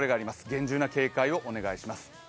厳重な警戒をお願いします。